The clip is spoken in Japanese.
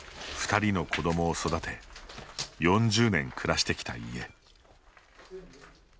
２人の子どもを育て４０年暮らしてきた家。